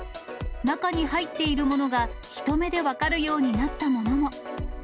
中に入っているものがひと目で分かるようになったものも。